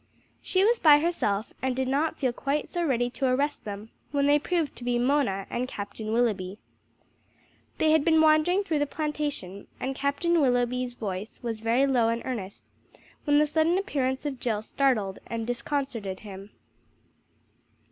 She was by herself, and did not feel quite so ready to arrest them when they proved to be Mona and Captain Willoughby. They had been wandering through the plantation, and Captain Willoughby's voice was very low and earnest when the sudden appearance of Jill startled and disconcerted him.